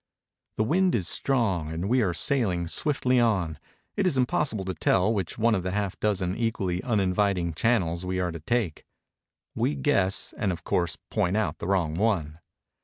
The wind is strong and we are sailing swiftly on. It is impossible to tell which one of the half dozen equally uninviting channels we are to take. We guess, and of course point out the wrong one.